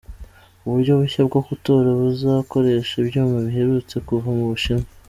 Uburyo bushya bwo gutora buzakoresha ibyuma biherutse kuva mu Bushinwa.